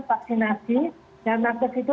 vaksinasi dan nakes itu